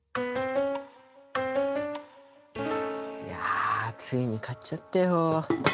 いやついに買っちゃったよ。